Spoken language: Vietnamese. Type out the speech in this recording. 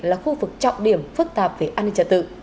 là khu vực trọng điểm phức tạp về an ninh trật tự